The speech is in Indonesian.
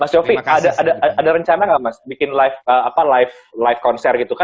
mas shofie ada rencana gak mas bikin live konser gitu kan